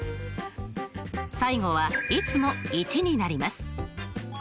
最後はいつも１になります。